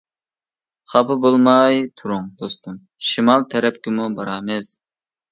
خاپا بولماي تۇرۇڭ دوستۇم، شىمال تەرەپكىمۇ بارامىز.